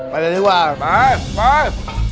ไปเรียกดีกว่าไป